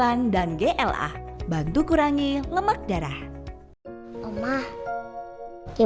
padahal bukitnya masih budget